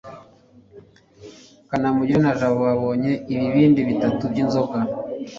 kanamugire na jabo banyoye ibibindi bitatu byinzoga